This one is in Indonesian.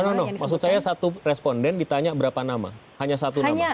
nono maksud saya satu responden ditanya berapa nama hanya satu nama